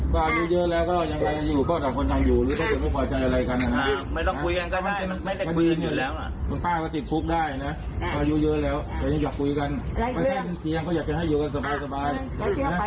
ค่ะ